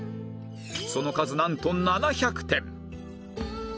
その数なんと７００点！